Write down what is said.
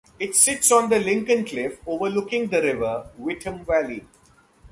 It sits on the Lincoln Cliff overlooking the River Witham valley.